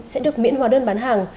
sẽ được miễn hóa đơn bán hàng